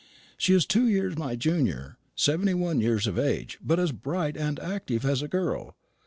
She is two years my junior seventy one years of age, but as bright and active as a girl.